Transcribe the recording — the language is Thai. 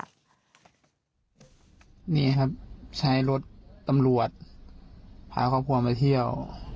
นี่ครับใช้รถตำรวจพาครอบครัวมาเที่ยว